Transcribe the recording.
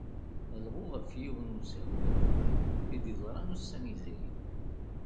Alɣu ɣef yiwen n usehwu ineqqen i d-yeḍran ussan yezrin.